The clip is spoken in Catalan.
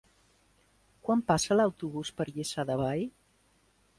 Quan passa l'autobús per Lliçà de Vall?